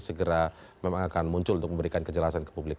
segera memang akan muncul untuk memberikan kejelasan ke publik